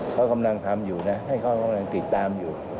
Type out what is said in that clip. เขากำลังทำอยู่นะให้เขากำลังติดตามอยู่